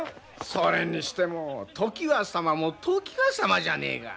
それにしても常磐様も常磐様じゃねえか。